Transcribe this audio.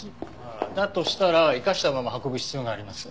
ああだとしたら生かしたまま運ぶ必要があります。